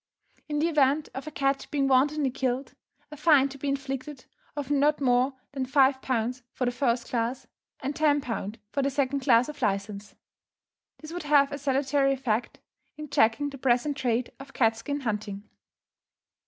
In the event of a cat being wantonly killed, a fine to be inflicted, of not more than £5 for the first class, and £10 for the second class of licence. This would have a salutary effect in checking the present trade of cat skin hunting.